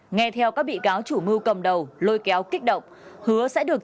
nghe theo các bị cáo chủ mưu cầm đầu lôi kéo kích động